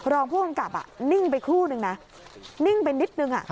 รองผู้กำกับนิ่งไปครู่นึงนะนิ่งไปนิดนึง